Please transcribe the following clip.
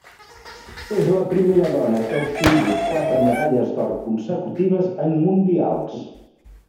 És la primera dona que ha obtingut quatre medalles d'or consecutives en mundials.